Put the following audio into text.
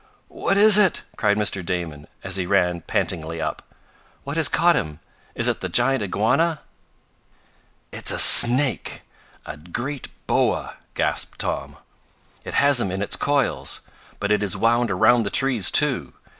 "What is it?" cried Mr. Damon, as he ran pantingly up. "What has caught him? Is it the giant iguana?" "It's a snake a great boa!" gasped Tom. "It has him in its coils. But it is wound around the trees, too.